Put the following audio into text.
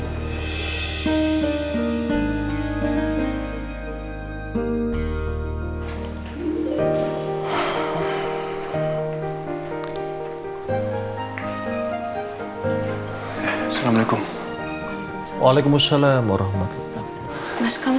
kamu sama oke sama semangat